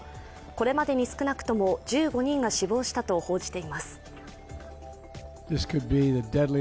これまでに少なくとも１５人が死亡したと報じています。